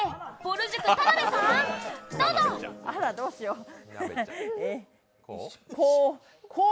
あら、どうしよう。